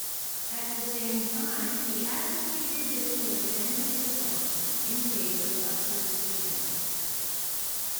At the same time he advocated that he abandon Islam in favor of Christianity.